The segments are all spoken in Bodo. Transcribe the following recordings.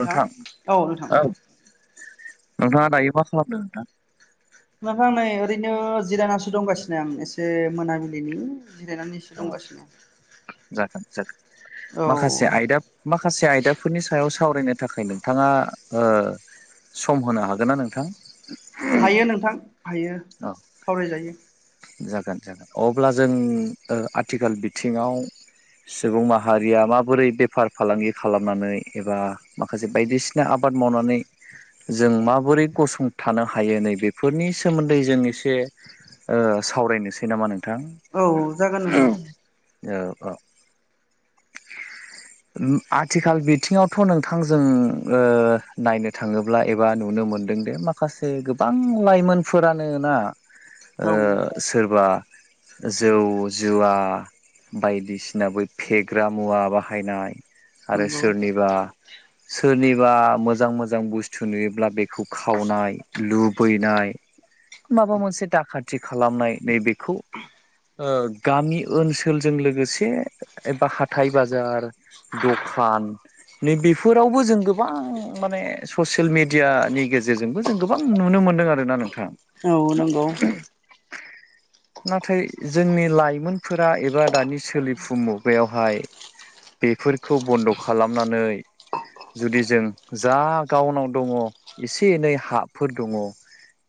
नोंथां औ नोंथाङा दायो मा खालामदों नोंथां? नोंथां नै ओरैनो जिरायनासो दंगासिनो आं एसे मोनाबिलिनि जिरायनानै अ जागोन जागोन औ माखासे आयदा माखासे आयदाफोरनि सायाव सावरायनो थाखाय नोंथाङा ओ सम होनो हागोन ना नोंथां हायो नोंथां हायो औ सावरायजायो जागोन जागोन अब्ला जों ओ आथिखाल बिथिङाव सुबुं माहारिया माबोरै बेफार फालांगि खालामनानै एबा माखासे बायदिसिना आबाद मावनानै जों माबोरै गसंथानो हायो नै बेफोरनि सोमोन्दै जों एसे ओ सावरायनोसै नामा नोंथां? औ जागोन नोंथां औ औ ओम आथिखाल बिथिङावथ' नोंथां जों नायनो थाङो ब्ला एबा नुनो मोनदोंदि माखासे गोबां लाइमोनफोरानो ना ओ औ सोरबा जौ जुवा बायदिसिना बै फे ग्रा मुवा बाहायनाय आरो नंगौ सोरनिबा सोरनिबा मोजां मोजां बुस्थु नुयोब्ला बेखौ खावनाय लु बैनाय माबा मोनसे दाखाथि खालामनाय नैबेखौ ओ गामि ओनसोलजों लोगोसे एबा हाथाइ बाजार दखान नै बेफोरावबो जों गोबां माने ससियेल मेडियानि गेजेरजोंबो जों गोबां नुनो मोन्दों आरोना नोंथां औ नंगौ नाथाय जोंनि लाइमोनफोरा एबा दानि सोलिफुु मु गायावहाय बेफोरखौ बन्द' खालामनानै जुदि जों जा गावनाव दङ एसे एनै हाफोर दङ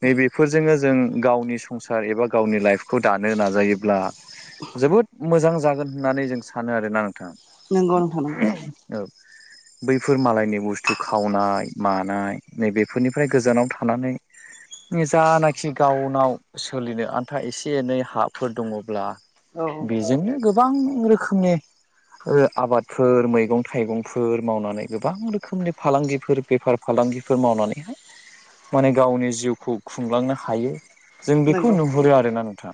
नै बेफोरजोंनो जों गावनि संसार एबा गावनि लाइफखौ दानो नाजायोब्ला जोबोद मोजां जागोन होननानै जों सानो आरोना नोंथां नंगौ नोंथां नंगौ औ। बैफोर मालायनि बुस्थु खावनाय मानाय नैबेफोरनिफ्राय गोजानाव थानानै जानाखि गावनाव सोलिनो आन्था एसे एनै हाफोर दङब्ला औ बेजोंनो गोबां रोखोमनि ओ आबादफोर मैगं थाइगंफोर मावनानै गोबां रोखोमनि फालांगिफोर बेफार फालांगिफोर मावनानैहाय माने गावनि जिउखौ खुंलांनो हायो। जों बेखौ नंगौ नुहुरो आरोना नोंथा।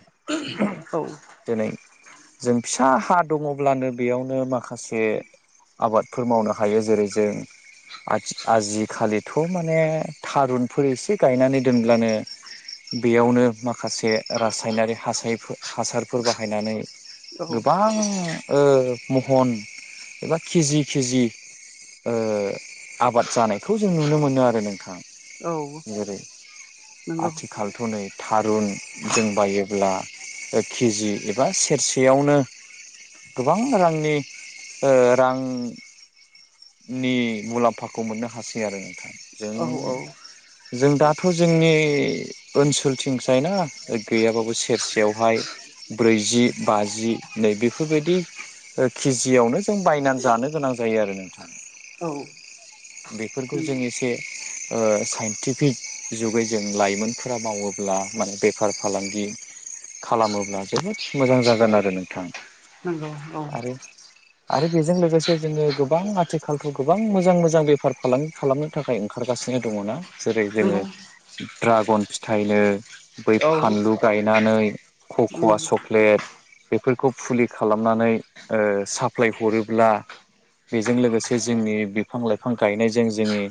औ दिनै जों फिसा हा दङब्लानो बेयावनो माखासे आबादफोर मावनो हायो जेरै जों आजिखालिथ' माने थारुनफोर एसे गायनानै दोनब्लानो बेयावनो माखासे रासायनारि हासाय हासारफोर बाहायनानै औ गोबां ओ महन एबा केजि - केजि ओ आबाद जानायखौ जों नुनो मोनो आरो नोंथां औ जेरै नंगौ आथिखालथ' नै थारुन जों बायोब्ला ओ केजि एबा सेरसेयावनो गोबां रांनि ओ रां नि मुलाम्फाखौ मोननो हासै आरो नोंथां जों औ औ जों दाथ' जोंनि ओनसोलथिंसाय ना गैयाबाबो सेरसेयावहाय ब्रैजि, बाजि नैबे फोरबायदि ओ केजियावनो जों बायनानै जानो गोनां जायो आरो नोंथां। औ। बेफोरखौ जों एसे ओ साइन्टिफिक जुगै जों लाइमोनफोरा मावोब्ला माने बेफार फालांगि खालामोब्ला जोबोद मोजां जागोन आरो नोंथा। नोंगौ। आरो आरो बेजों लोगोसे जोङो गोबां आथिखालथ' गोबां मोजां - मोजां बेफार फालांगि खालामनो थाखाय ओंखारगासिनो दङ ना जेरै जोङो नंगौ ड्रागन फिथाइनो बै औ फानलु गायनानै कक'आ उम चक्लेट बेफोरखौ फुलि खालामनानै ओ साप्लाय हरोब्ला बेजों लोगोसे जोंनि बिफां लाइफां गायनायजों जोंनि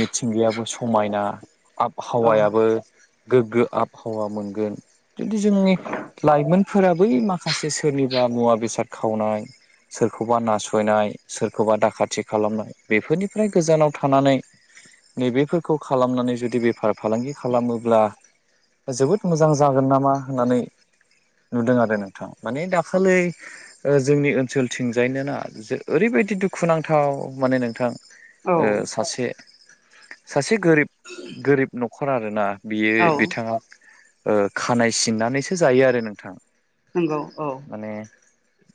मिथिंगायाबो समायना औ आबहावायाबो गोग्गो आबहावा मोनगोन जुदि जोंनि लाइमोनफोरा बै माखासे सोरनिबा मुवा बेसाद खावनाय सोरखौबा नासयनाय सोरखौबा दाखाथि खालामनाय बेफोरनिफ्राय गोजानाव थानानै नैबेफोरखौ खालामनानै जुदि बेफार फालांगि खालामोब्ला जोबोद मोजां जागोन नामा होननानै नुदों आरो नोंथां माने दा खालै ओ जोंनि ओनसोलथिंजायनोना जे ओरैबायदि दुखुनांथाव माने नोंथां। औ ओ सासे सासे गोरिब - गोरिब न'खर आरोना बियो औ बिथाङा ओ खानाय सिननानैसो जायो आरो नोंथां। नंगौ औ। माने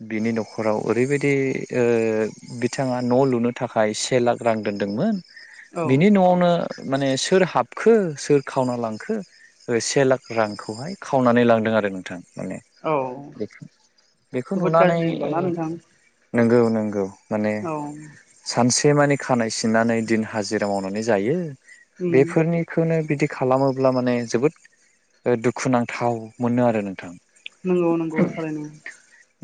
बिनि न'खराव ओरैबायदि ओ बिथाङा न' लुनो थाखाय से लाख रां दोनदोंमोन बिनि न'आवनो माने सोर हाबखो सोर खावना लांखो ओ से लाख रांखौहाय खावनानै लांदों आरो नोंथां माने औ बेखौ बेखौ जोबोद नुनानै गाज्रि होनबा ना नोंथां नंगौ नंगौ माने औ सानसे मानि खानाय सिननानै दिन हाजिरा मावनानै जायो उम बेफोरनि खौनो बिदि खालामोब्ला माने जोबोद दुखुनांथाव मोनो आरो नोंथां! नंगौ नंगौ थारैनो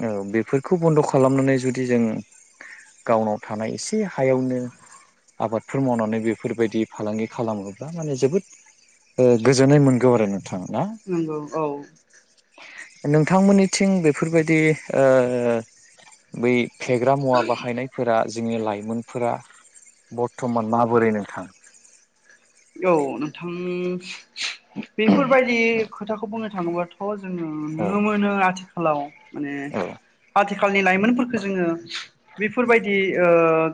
औ बेफोरखौ बन्द' खालामनानै जुदि जों गावनाव थानाय एसे हायावनो आबादफोर मावनानै बेफोरबायदि फालांगि खालामोब्ला माने जोबोद ओ गोजोननाय मोनगौ आरो नों थां ना नंगौ औ नोंथांमोननिथिं बे फोरबायदि ओ बै फेग्रा मुवा बाहायनायफोरा जोंनि लाइमोनफोरा बर्थ'मान माबोरै नोंथा? औ नोंथां बेफोरबायदि खोथाखौ बुंनो थाङोबाथ' जोङो औ नुनो मोनो आथिखालाव माने औ आथिखालनि लाइमोनफोरफोरखौ जोङो बेफोरबायदि ओ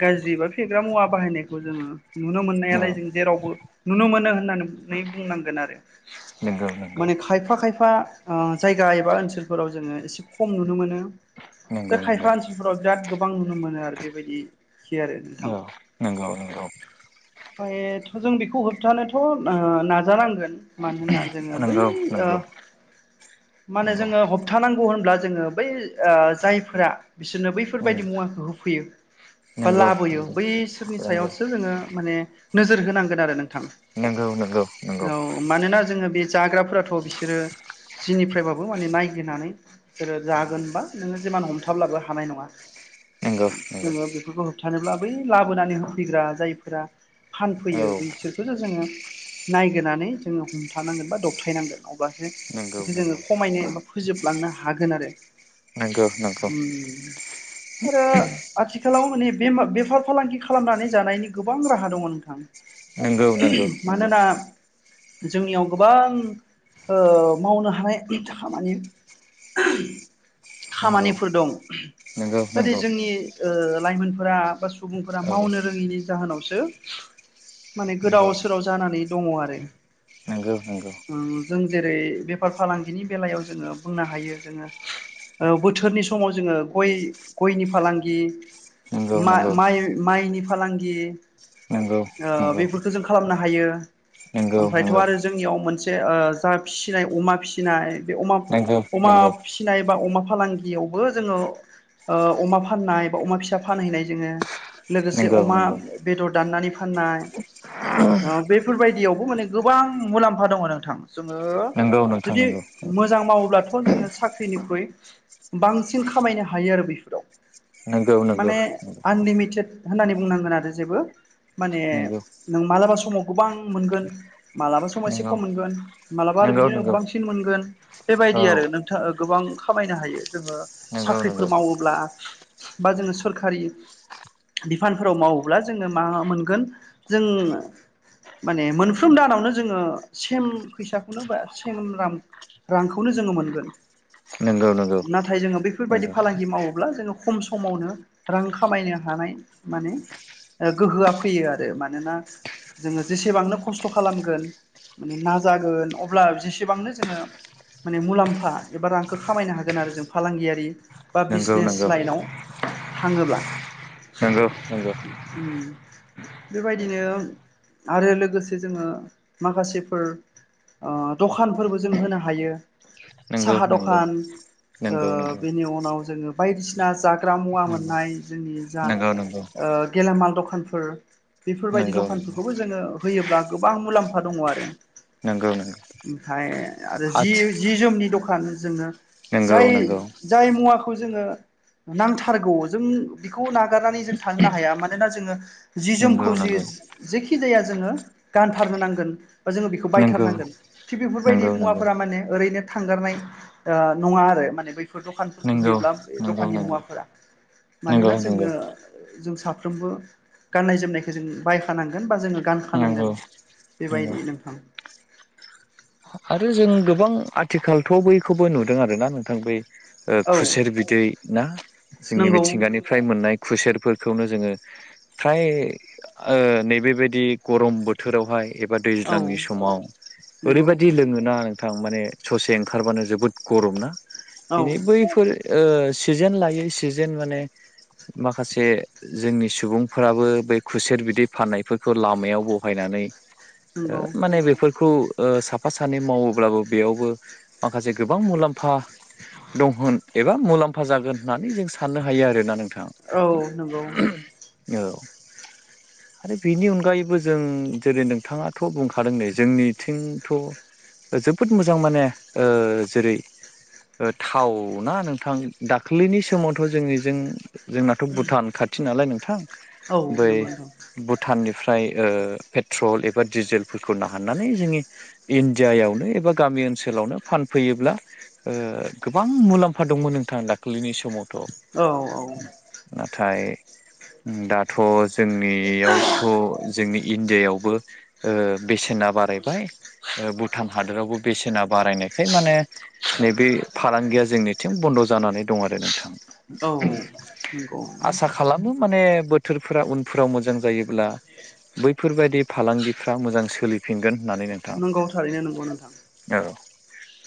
गाज्रि बा फेग्रा मुवा बाहायनायखौ जोङो नुनो औ मोननायालाय जों जेरावबो नुनो मोनो होननानै बुंनांगोन आरो नंगौ नंगौ माने खायफा खायफा जायगा एबा ओनसोलफोराव जोङो एसे खम नुनो मोनो दा नंगौ नंगौ खायफा ओसिफोराव बिराद गोबां नुनो मोनो आरो बेबायदि खि आरो नोंथां। औ नंगौ ओमफ्रायथ' जों बेखौ होबथानोथ' ओ नाजानांगोन मानो होना जोङो बै नंगौ ओ नंगौ माहोनो नंगौ जोङो हब थानांगौ होनब्ला जोङो बै ओ जायफोरा बिसोरनो उम बैफोरबायदि मुवाखौ होफैयो बा नंगौ लाबोयो नंगौ बैसोरनि सायावसो जोङो माने नोजोर होनांगोन आरो नोंथां नंगौ नंगौ नंगौ नंगौ औ मानोना जोङो बे जाग्राफोराथ' बिसोरो जिनिफ्रायबाबो माने नायग्रोनानै बिसोरो जागोनबा नोङो जेमान हमथाब्लाबो हानाय नङा नंगौ नंगौ जेनेबा बे फोरखौ होबथानोब्ला लाबोनानै होफैग्रा जायफोरा औ फानफैयो बैसोर खौसो जोङो नायग्रोनानै जोङो हमथानांगोन बा दबथायनांगोन अब्लासो नंगौ नंगौ बेखौ जोङो खमायनो एबा फोजोबलांनो हागोन आरो। नंगौ नंगौ उम आरो आथिखालाव माने बेमार बेफार फालांगि खालामनानै जानायनि गोबां राहा दङ नोंथां नंगौ नंगौ नंगौ औ मानोना जोंनियाव गोबां ओ मावनो हानाय थाखामानि खामानिफोर दं नंगौ नाथाय जोंनि ओ लाइमोनफोरा बा सुबुंफोरा मावनो रोङैनि जाहोनावसो माने गोदाव सोराव जानानै दङ आरो नोंगौ नंगौ। ओं जों जेरै बेफार फालांगिनि बेलायाव जोङो बुंनो हायो जोङो ओ बोथोरनि समाव जोङो गय गयनि फालांगि नंगौ माइ माइनि फालांगि नंगौ नंगौ! थ' जों खालामनो हायो नंगौ नंगौ ओमफ्रायथ' आरो जोंनियाव मोनसे ओ जा फिसिनाय अमा फि सिनाय बे अमा नंगौ अमा फिनाय बा अमा फालांगियावबो जोङो ओ अमा फाननाय बा अमा फिसा फानहैनाय जोंनो लोगोसे नंगौ अमा नंगौ बेदर दाननानै फाननाय ओ बेफोरबायदियावबो माने गोबां मुलाम्फा दङ नोंथां। जोङो नंगौ नोंथां जुदि नंगौ मोजां मावोब्लाथ' बेखौ जोङो साख्रिनिख्रुइ बांसिन खामायनो हायो आरो बेफोराव नंगौ नंगौ माने आनलिमिटेड होननानै बुंनांगोन आरो जेबो माने नंगौ नों मालाबा समाव गोबां मोनगोन। मालाबा एसे नंगौ खम मोनगोन मालाबा नंगौ आरो नंगौ बांसिन मोनगोन बेबायदि आरो औ नों गोबां खामायनो हायो जोङो नंगौ साख्रिफोर नंगौ मावोब्ला बा जोङो सोररखारि बिफानफोराव मावोब्ला जोङो मा मोनगोन जों माने मोनफ्रोम दानावनो जोङो सेम फैसाखौनो बा सेम रां रांखौनो जोङो मोनगोन। नोंगौ नोंगौ। नाथाय जोङो बेफोरबायदि फालांगि मावोब्ला जोङो खम समावनो रां खामायनो हानाय माने गोहोआ फैयो आरो माने मानोना जोङो जेसेबांनो खस्थ' खालामगोन माने नाजागोन अब्ला जेसेबांनो जोङो माने मुलाम्फा एबा रांखौ खामायनो हागोन आरो जों फालांगियारि बा नंगौ बिजनेस नंगौ लाइनाव थाङोब्ला। नोंगौ नोंंगौ। उम बेबायदिनो आरो लोगोसे जोङो माखासेफोर ओ दखानफोरबो जों होनो हायो। नंगौ नंगौ साहा दखान औ नंगौ नंगौ बेनि उनाव जोङो बायदिसिना जाग्रा मुवा मोननाय जोंनि जा नंगौ नंगौ नंगौ गेलामाल दखानफोर बेफोरबायदि नंगौ नंगौ दखानफोरखौबो जोङो होयोब्ला गोबां मुलाम्फा दङ आरो। नंगौ नंगौ ओमफ्राय आरो जि हाथ जि जोमनि दखान जोङो नंगौ जाय नंगौ जाय मुवाखौ जोङो नांथारगौ जों बेखौ नागारनानै जों थानोनो हाया मानोना जोङो जि जोम नंगौ खौ जि नंगौ जेखि जाया जोङो गानथारनो नांगोन। बा जोङो बेखौ नंगौ बायथारनांगोन थिग नंगौ बेफोरबायदि नंगौ मुवाफोरा माने ओरैनो थांगारनाय ओ नङा आरो माने बैफोर नंगौ दखानफोरखौ नंगौ बे मुवाफोरा। मानोना नंगौ नंगौ जोङो जों साफ्रोमबो गाननाय जोमनाय खौ जों बायखानांगोन बा जोङो गानखानांगोन नंगौ बेबायदि नोंथां। आरो जों गोबां आथिखालथ' बैखौबो नुदों आरोना नोंथां बै औ खुसेर बिदै ना जोंनि नंगौ मिथिंगानि फ्राय मोननाय खुसेरफोरखौनो जोङो फ्राय नै बेबायदि गरम बोथोरावहाय एबा औ दैज्लांनि समाव नंगौ ओरैबाय लोङोना नोंथां माने ससे ओंखारबानो जोबोद गरमना बिनि औ बैफोर ओ सिजेन लायै सिजेन माने माखासे जोंनि सुबुंफ्राबो बै खुसेर बिदै फाननायफोरखौ लामायाव बहायनानै। ओ नंगौ माने बेफोरखौ ओ साब साफा सानै मावोब्लाबो बेयावबो माखासे गोबां मुलाम्फा दं होन एबा मुलाम्फा जागोन होननानै जों साननो हायो आरोना नों थां औ। आरो बेनि अनगायैबो जों जेरै नोंथाङाथ' बुंखादों दै जोंनिथिं थ' जोबोद मोजां माने ओ जेरै‌ ओ थाव ना नोंथां दाख्लैनि समावथ' जोंनिजों जोंनाथ' भुटान खाथि नालाय नोंथां औ बै नंगौ नोंथां भुटान निफ्राय ओ पेट्रल एबा डिजेलफोरखौ नाहाननानै जोंनि इण्डियायावनो एबा गामि ओनसोलावनो फानफैयोब्ला ओ गोबां मुलाम्फा दंमोन नोंथां दाख्लैनि औ औ [unintelligible] नाथाय दाथ' जोंनियावथ' जोंनि इण्डियायावबो ओ बेसेना बारायबाय ओ भुटान हादोरावबो बेसेना बारायनायखाय माने नैबे फालांगिया जोंनिथिं बन्द' जानानै दं आरो नोंथां। औ नंगौ आसा खालामो माने बोथ थोरफोरा उनफोराव मोजां जायोब्ला बैफोरबायदि फालांगिफ्रा मोजां सोलि फिनगोन होननानै नोंथां। नंगौ थारैनो नंगौ नोंथां औ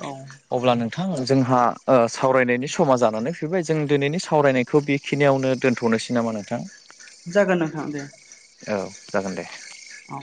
औ। अब्ला नोंथां जोंहा ओ सावरायनायनि समा जानानै फैबाय जों दिनैनि सावरायनाय खौ बेखिनियावनो दोनथ'नोसै नामा नोंथां? जागोन नोंथां दे। औ जागोन दे। औ।